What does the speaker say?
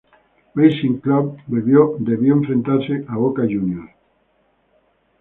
Racing Club debió enfrentarse a Boca Juniors.